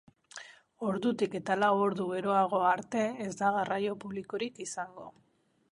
Ordutik eta lau ordu geroago arte, ez da garraio publikorik izango.